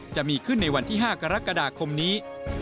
จะมีขึ้นในวันที่๕กรกฎาคมนี้